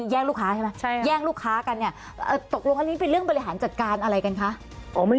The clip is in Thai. แย่งลูกค้าใช่ไหมแย่งลูกค้ากันเนี่ยตกลงอันนี้เป็นเรื่องบริหารจัดการอะไรกันคะ